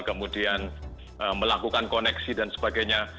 kemudian melakukan koneksi dan sebagainya